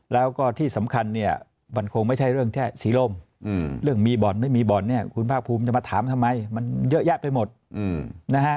แล้วก็ที่สำคัญเนี่ยมันคงไม่ใช่เรื่องแค่สีลมเรื่องมีบ่อนไม่มีบ่อนเนี่ยคุณภาคภูมิจะมาถามทำไมมันเยอะแยะไปหมดนะฮะ